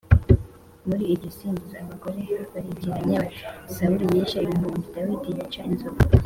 Muri iryo singiza abagore barikiranya bati “Sawuli yishe ibihumbi, Dawidi yica inzovu.”